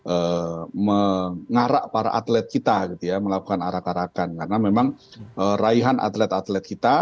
eh mengarah para atlet kita dia melakukan arah karakan karena memang raihan atlet atlet kita